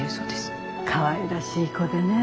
かわいらしい子でね